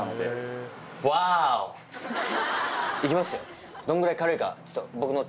いきますよ